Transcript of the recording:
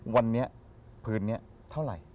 วันนี้พื้นนี้เท่าไหร่